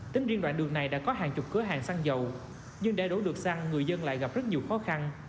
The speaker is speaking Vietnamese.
tính riêng đoạn đường này đã có hàng chục cửa hàng xăng dầu nhưng để đổ được xăng người dân lại gặp rất nhiều khó khăn